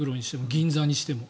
銀座にしても。